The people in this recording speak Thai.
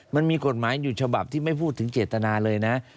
มันมีกฎหมายอยู่ฉบับที่ไม่พูดถึงเจตนาเลยนะ